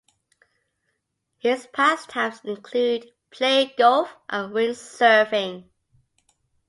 His pastimes include playing golf and windsurfing.